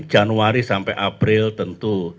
januari sampai april tentu